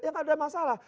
ya enggak ada masalah